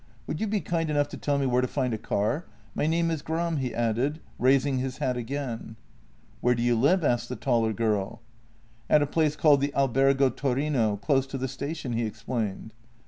Would JENNY 17 you be kind enough to tell me where to find a car? My name is Gram," he added, raising his hat again. " Where do you live? " asked the taller girl. " At a place called the Albergo Torino, close to the station," he explained.